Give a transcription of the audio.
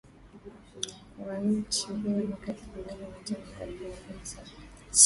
wa nchi hiyo mwaka elfu mbili na tano na elfu mbili na saba